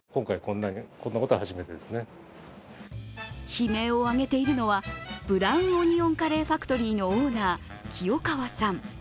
悲鳴を上げているのはブラウンオニオンカレーファクトリーのオーナー、清川さん。